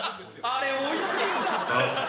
あれおいしいんだ。